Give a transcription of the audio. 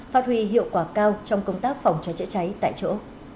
phát huy hiệu quả cao trong công tác phòng cháy chữa cháy tại chỗ